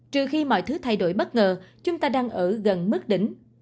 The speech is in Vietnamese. trừ khi mọi thứ thay đổi bất ngờ chúng ta đang ở gần mức đỉnh